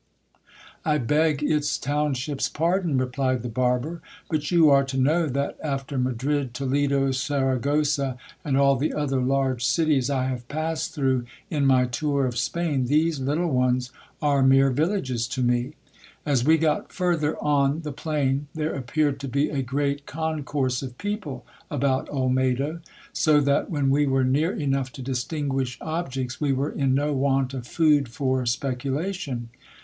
I beg its township's pardon, replied the barber ; but you are to know that after Madrid, Toledo, Saragossa, and all the other large cities I have passed through in my tour of Spain, these little ones are mere villages to me. As we got further on the plain, there appeared to be a great concourse of people about Olmedo : so that, when we were near enough to distinguish objects, we were in no want of food for speculation.